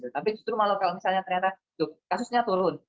tapi justru malah kalau misalnya ternyata kasusnya turun